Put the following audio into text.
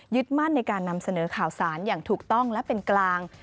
มั่นในการนำเสนอข่าวสารอย่างถูกต้องและเป็นกลาง